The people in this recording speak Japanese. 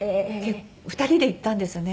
２人で行ったんですね。